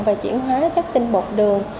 và triển hóa chất tinh bột đường